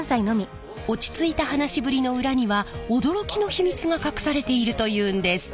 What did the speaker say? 落ち着いた話しぶりの裏には驚きの秘密が隠されているというんです。